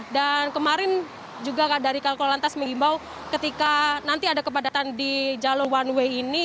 dan kemarin juga dari kalkul lantas mengimbau ketika nanti ada kepadatan di jalur one way ini